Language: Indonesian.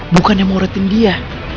bukan yang morotin dia